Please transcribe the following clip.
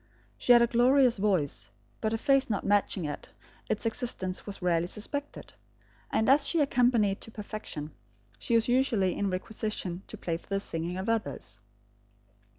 She had a glorious voice, but her face not matching it, its existence was rarely suspected; and as she accompanied to perfection, she was usually in requisition to play for the singing of others.